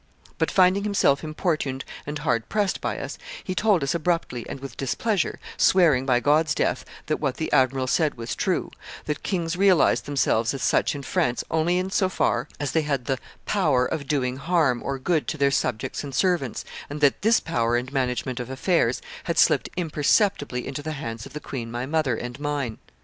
But finding himself importuned and hard pressed by us, he told us abruptly and with displeasure, swearing by God's death that what the admiral said was true, that kings realized themselves as such in France only in so far as they had the 'power of doing harm or good to their subjects and servants, and that this power and management of affairs had slipped imperceptibly into the hands of the queen my mother and mine.